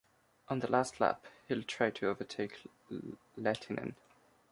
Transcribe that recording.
On the last lap, Hill tried to overtake Lehtinen.